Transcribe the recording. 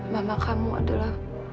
mama kamu adalah